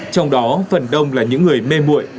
trong đó phần đông là những người mê mụi